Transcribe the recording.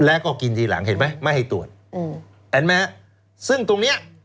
แล้วก็กินทีหลังเห็นไหมไม่ให้ตรวจอืมเห็นไหมฮะซึ่งตรงเนี้ย